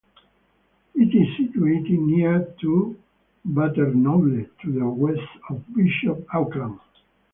It is situated near to Butterknowle, to the west of Bishop Auckland.